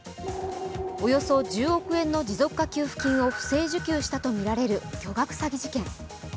およそ１０億円の持続化給付金を不正受給したとみられる巨額詐欺事件。